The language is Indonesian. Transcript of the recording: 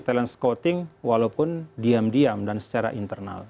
talent scouting walaupun diam diam dan secara internal